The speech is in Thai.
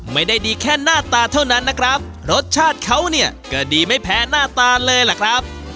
ไม่ได้ดีแค่หน้าตาเท่านั้นนะครับรสชาติเขาเนี่ยก็ดีไม่แพ้หน้าตาเลยล่ะครับ